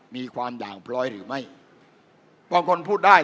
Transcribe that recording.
มีความด่างพร้อยหรือไม่บางคนพูดได้